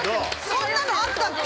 そんなのあったっけ？